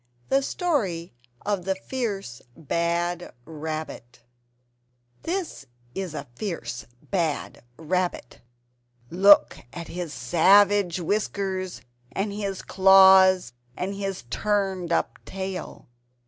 THE STORY OF A FIERCE BAD RABBIT This is a fierce bad Rabbit; look at his savage whiskers and his claws and his turned up tail.